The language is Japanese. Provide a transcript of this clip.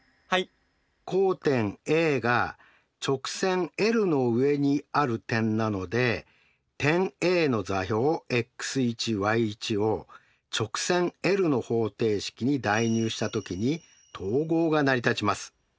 交点Ａが直線ｌの上にある点なので点Ａの座標を直線ｌの方程式に代入した時に等号が成り立ちます。